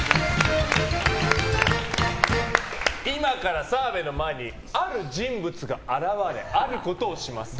今から澤部の前にある人物が現れあることをします。